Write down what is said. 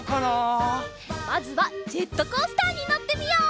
まずはジェットコースターにのってみよう！